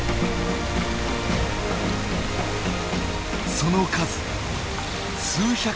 その数数百万匹。